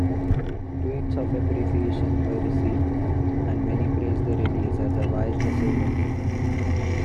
Tweets of appreciation were received and many praised the release as a wise decision.